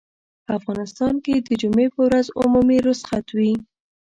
په افغانستان کې د جمعې پر ورځ عمومي رخصت وي.